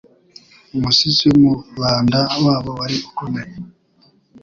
umusizi w'umubanda wabo wari ukomeye